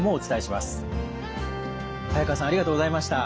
早川さんありがとうございました。